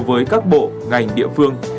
với các bộ ngành địa phương